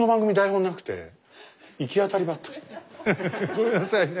ごめんなさいね。